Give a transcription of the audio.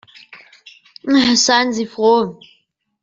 Seien Sie froh.